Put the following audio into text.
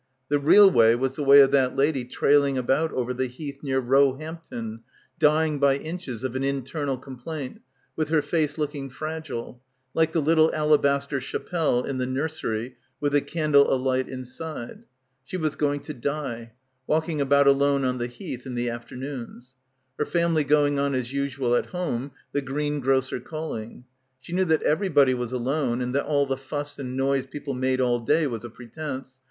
The real way was the way of that lady trailing about over die Heath near Roehampton, dying by inches of an in ternal complaint, with her face looking fragile — like the little alabaster chapelle in the nursery with a candle alight inside. She was going to die, walking about alone on the Heath in the after noons. Her family going on as usual at home; the greengrocer calling. She knew that everybody was alone and that all the fuss and noise people made all day was a pretence.